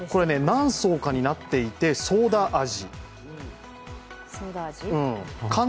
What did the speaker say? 何層かになっていてソーダ味。